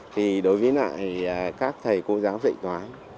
thì đối với lại các thầy cô giáo dạy toán